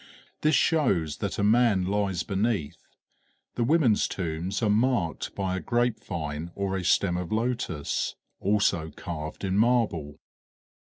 This shows that a man lies beneath; the women's tombs are marked by a grapevine or a stem of lotus, also carved in marble.